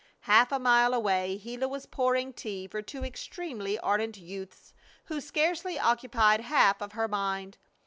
Half a mile away Gila was pouring tea for two extremely ardent youths who scarcely occupied half of her mind.